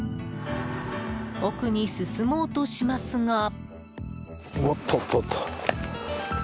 奥に進もうとしますが。